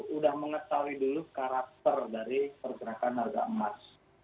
sudah mengetahui dulu karakter dari pergerakan harga emas